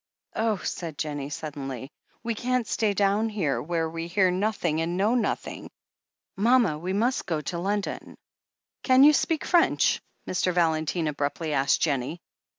"Oh," said Jennie suddenly, "we can't stay down here, where we hear nothing and know nothing. Mama, we must go to London." "Can you speak French?" Mr. Valentine abruptly asked Jennie.